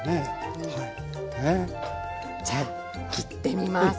じゃあ切ってみます。